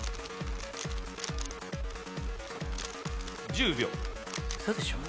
・１０秒。